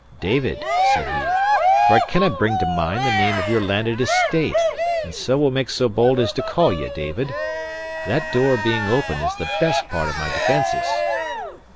"David," said he "for I cannae bring to mind the name of your landed estate, and so will make so bold as to call you David that door, being open, is the best part of my defences."